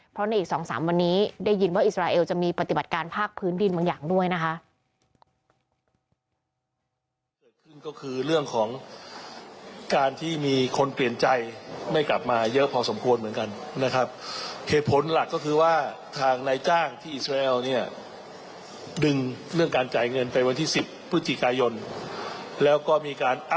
เพราะในอีก๒๓วันนี้ได้ยินว่าอิสราเอลจะมีปฏิบัติการภาคพื้นดินบางอย่างด้วยนะคะ